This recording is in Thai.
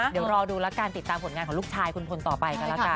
เดี๋ยวรอดูแล้วกันติดตามผลงานของลูกชายคุณพลต่อไปกันแล้วกัน